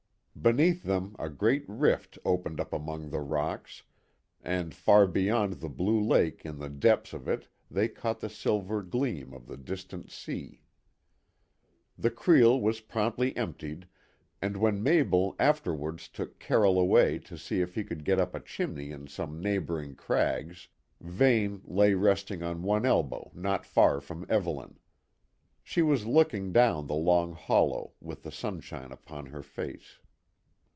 Beneath them a great rift opened up among the rocks, and far beyond the blue lake in the depths of it they caught the silver gleam of the distant sea. The creel was promptly emptied, and when Mabel afterwards took Carroll away to see if he could get up a chimney in some neighbouring crags, Vane lay resting on one elbow not far from Evelyn. She was looking down the long hollow, with the sunshine upon her face.